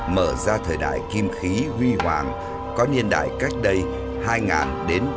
mở ra thời đại kim khí huy hoàng có niên đại cách đây hai đến ba năm lịch sử